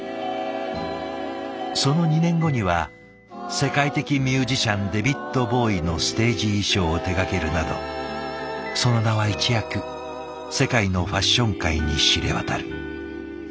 その２年後には世界的ミュージシャンデビッド・ボウイのステージ衣装を手がけるなどその名は一躍世界のファッション界に知れ渡る。